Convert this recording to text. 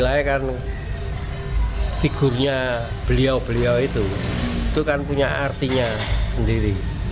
saya kan figurnya beliau beliau itu itu kan punya artinya sendiri